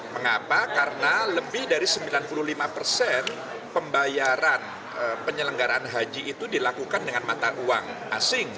mengapa karena lebih dari sembilan puluh lima persen pembayaran penyelenggaraan haji itu dilakukan dengan mata uang asing